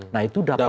nah itu dapat